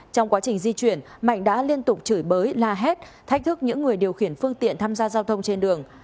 trong quá trình di chuyển mạnh đã liên tục chửi bới la hét thách thức những người điều khiển phương tiện tham gia giao thông trên đường